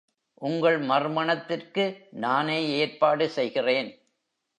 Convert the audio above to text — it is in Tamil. உங்கள் மறுமணத்திற்கு நானே ஏற்பாடு செய்கிறேன்.